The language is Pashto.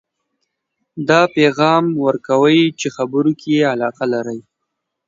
دا پیغام ورکوئ چې خبرو کې یې علاقه لرئ